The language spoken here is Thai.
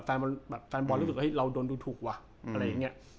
แฟนแบบแฟนบอลรู้สึกว่าเฮ้ยเราโดนดูถูกว่าอืมอะไรอย่างเงี้ย